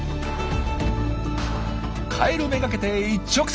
カエル目がけて一直線。